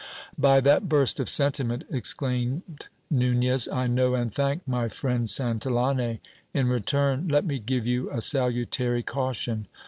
By that burst of sentiment, exclaimed Nunez, I know and thank my friend Santillane : in return, let me give you a salutary caution.